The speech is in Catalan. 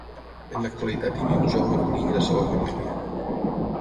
En l'actualitat hi viu Jaume Conill i la seva família.